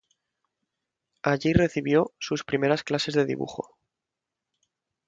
Allí recibió sus primeras clases de dibujo.